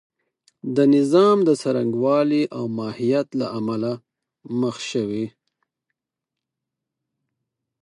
د نظام د څرنګوالي او ماهیت له امله مخ شوې.